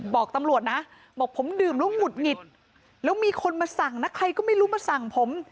บอกตำรวจนะบอกผมดื่มแล้วหงุดหงิดแล้วมีคนมาสั่งนะใครก็ไม่รู้มาสั่งผม